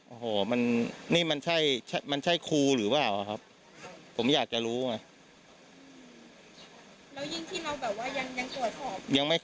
โอ้โหนี่มันใช่คลูหรือเปล่าผมอยากจะรู้ไหม